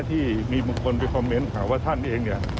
ที่มีบุคคลไปคอมเมนต์หาว่าท่านนี่เองเนี่ย